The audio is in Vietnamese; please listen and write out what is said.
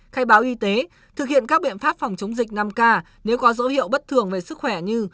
khai báo y tế thực hiện các biện pháp phòng chống dịch năm k nếu có dấu hiệu bất thường về sức khỏe như